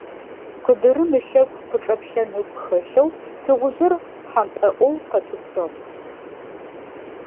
Къыдырым ылъэгу къычӀэплъэн ыгу хэлъэу тыгъужъыр хьампӀэӏоу къэтӀысыгъ.